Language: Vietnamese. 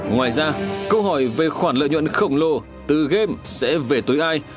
ngoài ra câu hỏi về khoản lợi nhuận khổng lồ từ game sẽ về tối ai